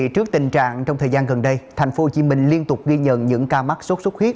trước tình trạng trong thời gian gần đây tp hcm liên tục ghi nhận những ca mắc sốt xuất huyết